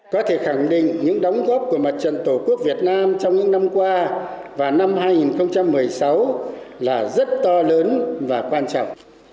có thể khẳng định những đóng góp của mặt trận tổ quốc việt nam trong những năm qua và năm hai nghìn một mươi sáu là rất to lớn và quan trọng